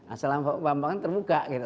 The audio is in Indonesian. asal pampangan terbuka gitu